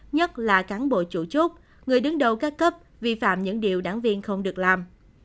nhất là cán bộ chủ chốt người đứng đầu các cấp vi phạm những điều đảng viên không được làm